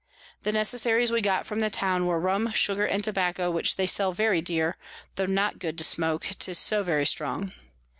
The Necessaries we got from the Town were Rum, Sugar, and Tobacco, which they sell very dear, tho not good to smoke, 'tis so very strong.